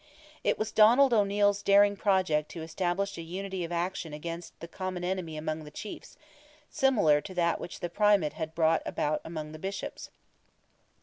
It was Donald O'Neil's darling project to establish a unity of action against the common enemy among the chiefs, similar to that which the Primate had brought about among the Bishops.